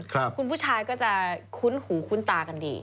คุณผู้ชายก็จะคุ้นหูคุ้นตากันดี